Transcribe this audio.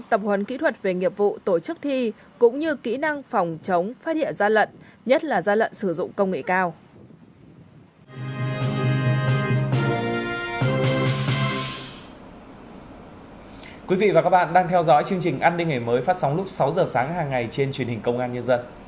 tập huấn kỹ thuật về nghiệp vụ tổ chức thi cũng như kỹ năng phòng chống phát hiện gian lận nhất là gian lận sử dụng công nghệ cao